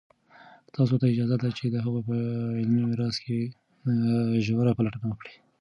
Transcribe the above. تاسو ته اجازه ده چې د هغوی په علمي میراث کې ژوره پلټنه وکړئ.